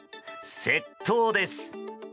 窃盗です。